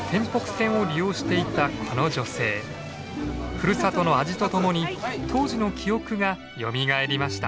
ふるさとの味とともに当時の記憶がよみがえりました。